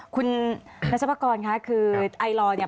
คุณนัชภากรค่ะคือไอลอร์เนี่ย